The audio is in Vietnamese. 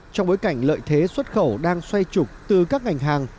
trong bối cảnh lợi thế xuất khẩu đang xoay trục từ các ngành hàng